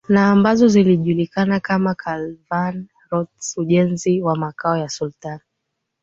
na ambazo zilijulikana kama Caravan Routes Ujenzi wa Makao ya Sultani